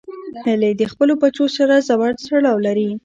هیلۍ د خپلو بچو سره ژور تړاو لري